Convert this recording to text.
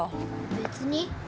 別に。